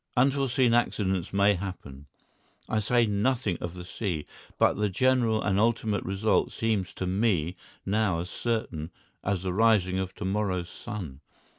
Unforeseen accidents may happen. I say nothing of the sea, but the general and ultimate result seems to me now as certain as the rising of to morrow's sun.